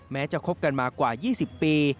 แม้จะคบกันมากว่า๒๐ปี